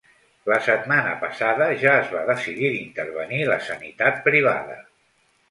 La setmana passada ja es va decidir d’intervenir la sanitat privada.